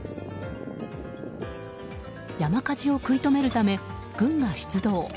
山火事を食い止めるため軍が出動。